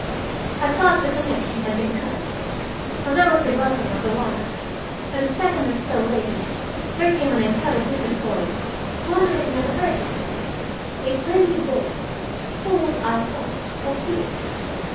I thought the connection had been cut, for there was a buzzing on the wire. But a second or so later there came an entirely different voice, one I had never heard before, a plaintive voice, full, I thought, of tears.